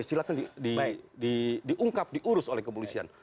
silahkan diungkap diurus oleh kepolisian